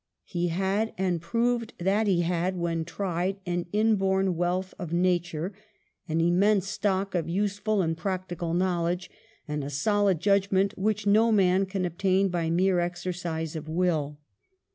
He had, and proved that he had, when tried, an inborn wealth of nature, an immense stock of useful practical knowledge, and a solid judgment which no man can obtain by mere exercise of will.